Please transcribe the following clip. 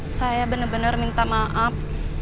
saya bener bener minta maaf